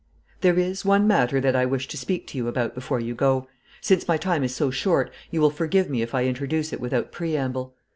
'There is one matter that I wish to speak to you about before you go. Since my time is so short you will forgive me if I introduce it without preamble.